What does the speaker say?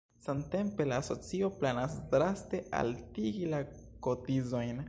Samtempe la asocio planas draste altigi la kotizojn.